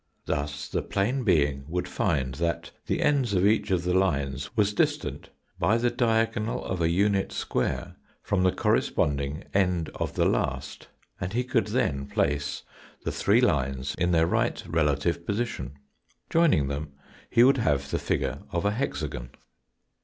Thus the plane being would find that the ends of each of the lines was distant by the diagonal of a unit square from the corresponding end of the last and he could then place the three lines in their right relative position. Joining them he would have the figure of a hexagon.